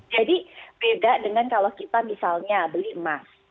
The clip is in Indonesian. jadi beda dengan kalau kita misalnya beli emas